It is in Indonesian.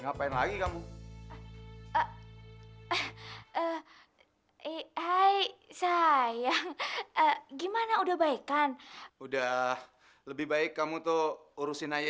ngapain lagi kamu eh hai sayang gimana udah baik kan udah lebih baik kamu tuh urusin aja